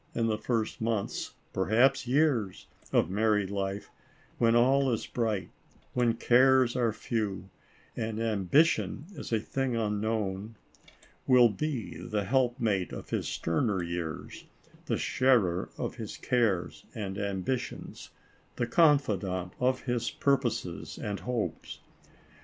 43 in the first months, perhaps years, of married life, when all is bright, when cares are few and am bition is a thing unknown, will be the helpmate of his sterner years, the sharer of his cares and ambitions, the confidant of his purposes and hopes